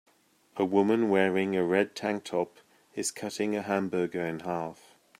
A woman wearing a red tank top is cutting a hamburger in half.